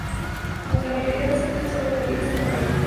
Aunque la mayoría de las críticas fueron negativas, encantó al público.